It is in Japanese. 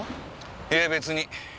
いえ別に。